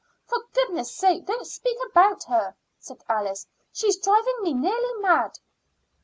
"For goodness' sake don't speak about her," said Alice. "She's driving me nearly mad."